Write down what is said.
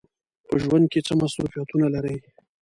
په ژوند کې څه مصروفیتونه لرئ؟